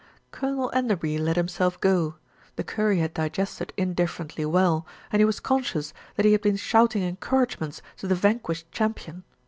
Colonel Enderby let himself go, the curry had digested indifferently well, and he was conscious that he had been shouting encouragements to the vanquished champion.